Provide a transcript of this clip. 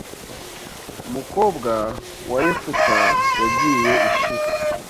Umukobwa wa Yefuta yagiye i Shilo